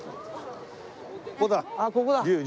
あっここだ！